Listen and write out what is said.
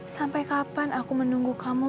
sampai kapan aku menunggu kamu